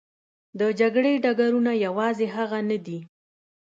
د جګړې ډګرونه یوازې هغه نه دي.